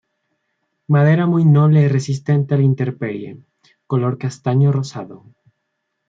Madera muy noble resistente a la intemperie, color castaño rosado.